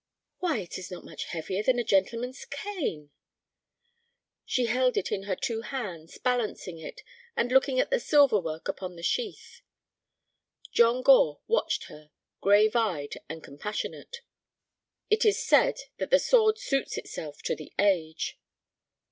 "Why, it is not much heavier than a gentleman's cane!" She held it in her two hands, balancing it, and looking at the silver work upon the sheath. John Gore watched her, grave eyed and compassionate. "It is said that the sword suits itself to the age."